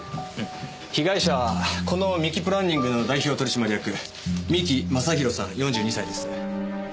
被害者はこの三木プランニングの代表取締役三木昌弘さん４２歳です。